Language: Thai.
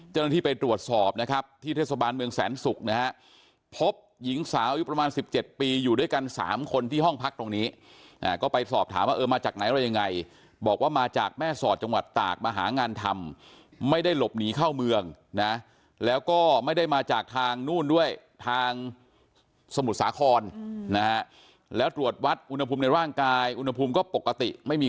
เจ้าหน้าที่ไปตรวจสอบนะครับที่เทศบาลเมืองแสนศุกร์นะฮะพบหญิงสาวอายุประมาณ๑๗ปีอยู่ด้วยกัน๓คนที่ห้องพักตรงนี้ก็ไปสอบถามว่าเออมาจากไหนอะไรยังไงบอกว่ามาจากแม่สอดจังหวัดตากมาหางานทำไม่ได้หลบหนีเข้าเมืองนะแล้วก็ไม่ได้มาจากทางนู่นด้วยทางสมุทรสาครนะฮะแล้วตรวจวัดอุณหภูมิในร่างกายอุณหภูมิก็ปกติไม่มี